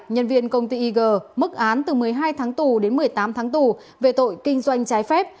nhân viên công ty ig mức án từ một mươi hai tháng tù đến một mươi tám tháng tù về tội kinh doanh trái phép